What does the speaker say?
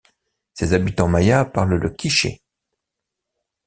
Ses habitants mayas parlent le quiché.